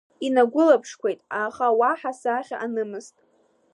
Инагәылаԥшқәеит, аха уаҳа сахьа анымызт.